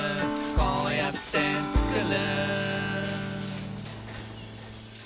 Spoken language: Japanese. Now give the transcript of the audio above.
こうやってつくる」